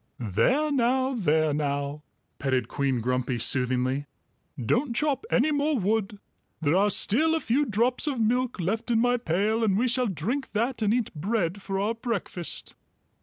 "There now, there now," petted Queen Grumpy soothingly. "Don't chop any more wood. There are still a few drops of milk left in my pail, and we shall drink that and eat bread for our breakfast."